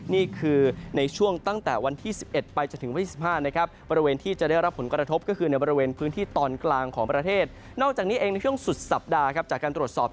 นี่คือในช่วงตั้งแต่วันที่๑๑ไปจนถึงวันที่๑๕นะครับ